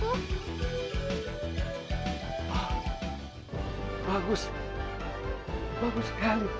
oh bagus bagus sekali